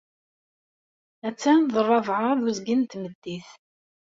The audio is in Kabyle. Attan d rrabɛa d uzgen n tmeddit.